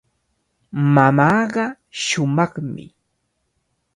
Mamaaqa shumaqmi.